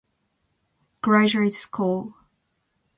It also indicates a break before entry into graduate school.